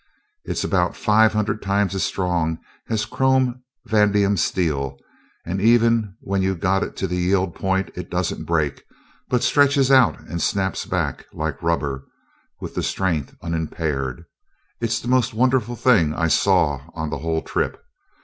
It's about five hundred times as strong as chrome vanadium steel, and even when you've got it to the yield point, it doesn't break, but stretches out and snaps back, like rubber, with the strength unimpaired. It's the most wonderful thing I saw on the whole trip.